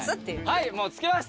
はいもう着きました。